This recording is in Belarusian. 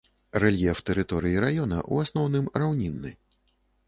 Рэльеф тэрыторыі раёна ў асноўным раўнінны.